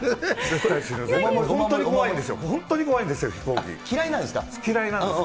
本当に怖いんですよ。